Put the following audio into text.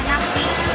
enak sih enak banget